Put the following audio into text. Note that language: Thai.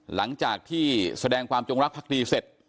หลังจากที่แสดงความจงรักภักดีเสร็จ